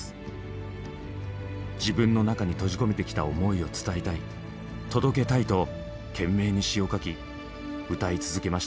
自分の中に閉じ込めてきた思いを伝えたい届けたいと懸命に詩を書き歌い続けました。